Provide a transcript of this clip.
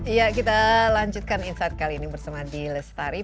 iya kita lanjutkan insight kali ini bersama dile settari